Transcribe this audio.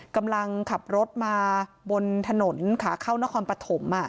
กำลังขับรถมาบนถนนขาเข้านครปฐม